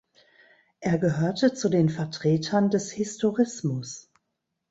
Er gehörte zu den Vertretern des Historismus.